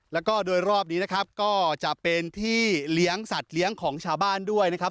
แล้วก็โดยรอบนี้นะครับก็จะเป็นที่เลี้ยงสัตว์เลี้ยงของชาวบ้านด้วยนะครับ